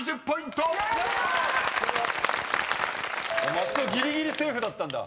松尾ぎりぎりセーフだったんだ。